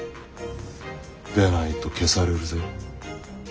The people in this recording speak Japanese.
でないと消されるぜ。